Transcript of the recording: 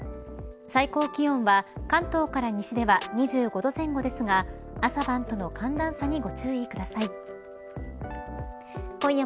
最高気温は、関東から西では２５度前後ですが朝晩との寒暖差にうわ！！